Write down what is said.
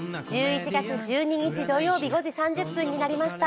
１１月１２日土曜日、５時３０分になりました。